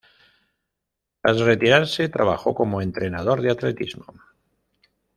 Tras retirarse trabajó como entrenador de atletismo.